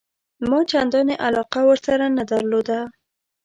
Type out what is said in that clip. ما چنداني علاقه ورسره نه درلوده.